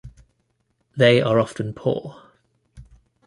They are often poor.